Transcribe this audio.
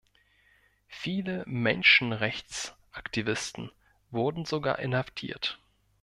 Viele Menschenrechtsaktivisten wurden sogar inhaftiert.